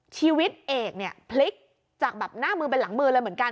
เอกเนี่ยพลิกจากแบบหน้ามือเป็นหลังมือเลยเหมือนกัน